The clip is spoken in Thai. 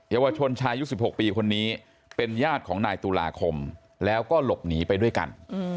ยาวชนชายุ๑๖ปีคนนี้เป็นญาติของนายตุลาคมแล้วก็หลบหนีไปด้วยกัน